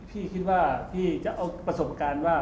พี่คิดว่าพี่จะเอาประสบการณ์ว่า